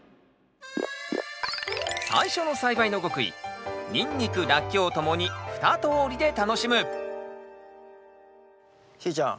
最初の栽培の極意ニンニクラッキョウともに２通りで楽しむしーちゃん。